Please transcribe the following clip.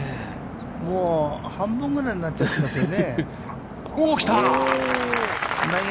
もう半分ぐらいになっちゃってね。